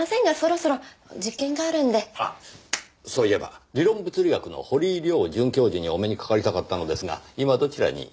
そういえば理論物理学の堀井亮准教授にお目にかかりたかったのですが今どちらに？